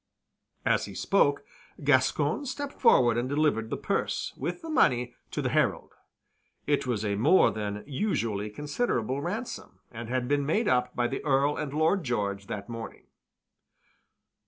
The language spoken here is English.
As he spoke, Gascoyne stepped forward and delivered the purse, with the money, to the Herald. It was a more than usually considerable ransom, and had been made up by the Earl and Lord George that morning.